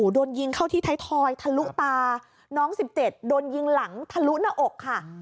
โดนยิงเข้าที่ไทยทอยทะลุตาน้อง๑๗โดนยิงหลังทะลุหน้าอกค่ะ